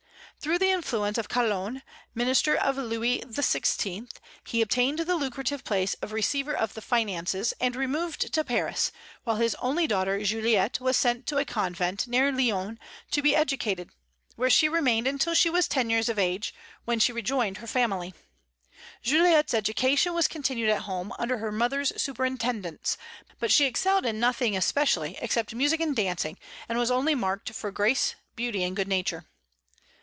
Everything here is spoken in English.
Through the influence of Calonne, minister of Louis XVI., he obtained the lucrative place of Receiver of the Finances, and removed to Paris, while his only daughter Juliette was sent to a convent, near Lyons, to be educated, where she remained until she was ten years of age, when she rejoined her family. Juliette's education was continued at home, under her mother's superintendence; but she excelled in nothing especially except music and dancing, and was only marked for grace, beauty, and good nature.